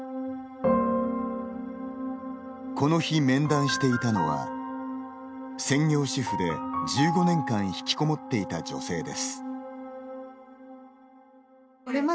この日、面談していたのは専業主婦で１５年間ひきこもっていた女性です。